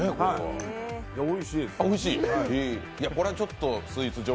おいしいです。